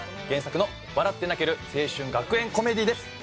原作の笑って泣ける青春学園コメディーです。